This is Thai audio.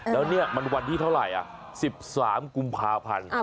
แล้วนี่มันวันที่เท่าไหร่๑๓กุมภาพันธ์